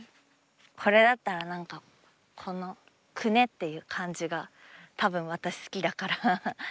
これだったら何かこのくねっていう感じがたぶん私好きだから。